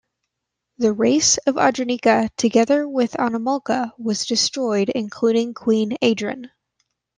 The Race of Adranika together with Anomalka was destroyed including Queen Adran.